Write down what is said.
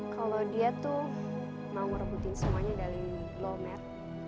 kalau dia tuh mau ngerebutin semuanya dari lomer